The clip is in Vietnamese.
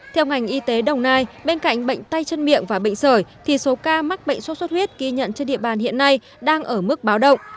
theo ngành y tế đồng nai bên cạnh bệnh tay chân miệng và bệnh sởi thì số ca mắc bệnh sốt xuất huyết ghi nhận trên địa bàn hiện nay đang ở mức báo động